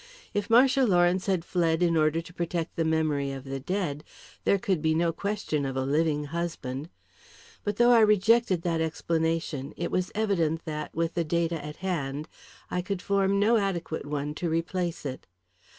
If Marcia Lawrence had fled in order to protect the memory of the dead, there could be no question of a living husband. But though I rejected that explanation, it was evident that, with the data at hand, I could form no adequate one to replace it.